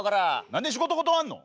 何で仕事断んの！？